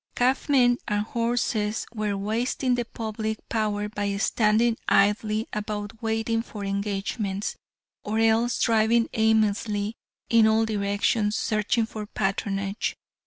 Cabmen and horses were wasting the public power by standing idly about waiting for engagements, or else driving aimlessly in all directions, searching for patronage.